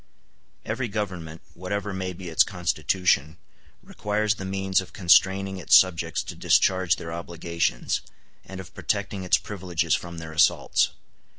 Every government, whatever may be its constitution, requires the means of constraining its subjects to discharge their obligations, and of protecting its privileges from their assaults.